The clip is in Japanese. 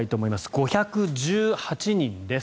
５１８人です。